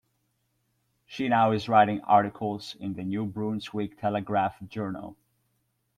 She now is writing articles in the "New Brunswick Telegraph-Journal".